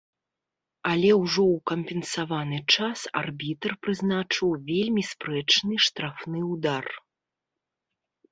Але ўжо ў кампенсаваны час арбітр прызначыў вельмі спрэчны штрафны ўдар.